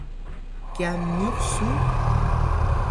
kyan myux su?